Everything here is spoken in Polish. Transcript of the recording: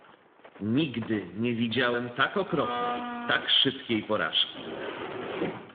"„Nigdy nie widziałem tak okropnej, tak szybkiej porażki."